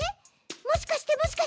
もしかしてもしかして！